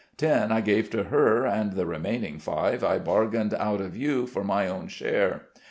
Ten I gave to her, and the remaining five I bargained out of you for my own share.